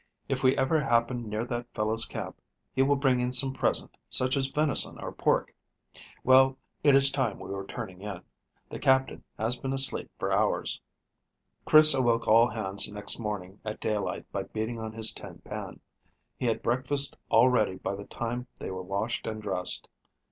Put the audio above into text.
If we ever happen near that fellow's camp, he will bring in some present, such as venison or pork. Well, it is time we were turning in. The Captain has been asleep for hours." Chris awoke all hands next morning at daylight by beating on a tin pan. He had breakfast all ready by the time they were washed and dressed.